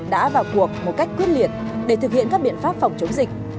đã vào cuộc một cách quyết liệt để thực hiện các biện pháp phòng chống dịch